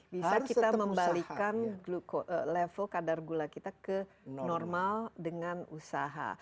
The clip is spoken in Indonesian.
bisa kita membalikan level kadar gula kita ke normal dengan usaha